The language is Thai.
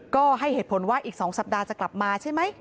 ก็ให้เหตุผลว่าอีก๒สัปดาห์จะกลับมาใช่ไหม